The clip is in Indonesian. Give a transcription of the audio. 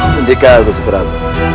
sendikah agus perang